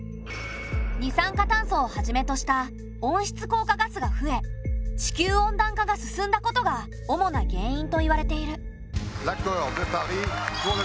二酸化炭素をはじめとした温室効果ガスが増え地球温暖化が進んだことが主な原因といわれている。